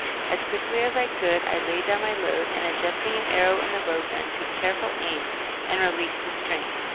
As quickly as I could I laid down my load, and, adjusting an arrow in the bow gun, took careful aim and released the string.